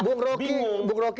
bung roky bu roky dan bu roky